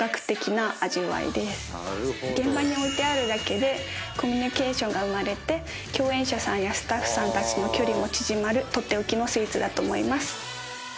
現場に置いてあるだけでコミュニケーションが生まれて共演者さんやスタッフさんたちの距離も縮まる取って置きのスイーツだと思います。